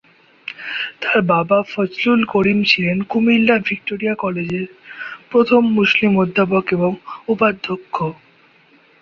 তার বাবা ফজলুল করিম ছিলেন কুমিল্লা ভিক্টোরিয়া কলেজের প্রথম মুসলিম অধ্যাপক এবং উপাধ্যক্ষ।